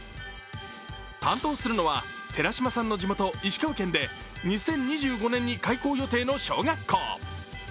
担当するのは寺島さんの地元、石川県で２０２５年に開校予定の小学校。